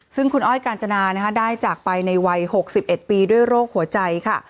ซึ่งคุณอ้อยกาญจนาได้จากไปในวัย๖๑ปีด้วยโรคหัวใจค่ะ